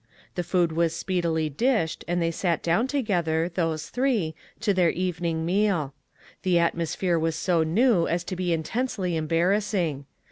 The food was speedily dished, and they sat down together, those three, to their evening meal. The atmosphere was so new as to be intensely embarrassing.